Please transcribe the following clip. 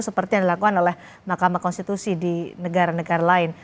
seperti yang dilakukan oleh mahkamah konstitusi di negara negara lain